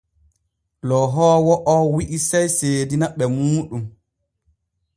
Loohoowo o wi’i sey seedina ɓe muuɗum.